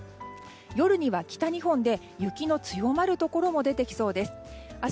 夜には北日本で雪の強まるところも出てきそうです。